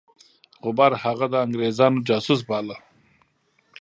غبار هغه د انګرېزانو جاسوس باله.